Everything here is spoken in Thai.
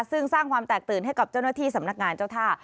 ซึ่งสร้างความแตกตื่นให้กับเจ้าหน้าที่สำนักงานเจ้าท่า